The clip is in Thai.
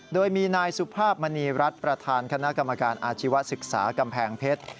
โดยมีนายสุภาพมณีรัฐประธานคณะกรรมการอาชีวศึกษากำแพงเพชร